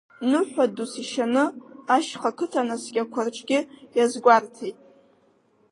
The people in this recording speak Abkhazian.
Ныҳәа дус ишьаны ашьха қыҭа наскьақәа рҿгьы иазгәарҭеит.